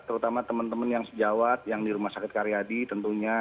terutama teman teman yang sejawat yang di rumah sakit karyadi tentunya